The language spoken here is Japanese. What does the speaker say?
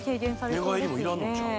寝返りもいらんのちゃう？